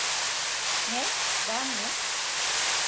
Ne, ben mi?